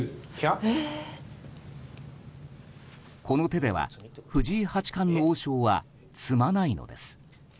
この手では、藤井八冠の王将は詰まないのです。